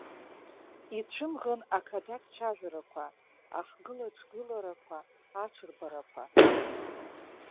Ицәымӷын ақадақь цәажәарақәа, ахгылаҿгыларақәа, аҽырбарақәа.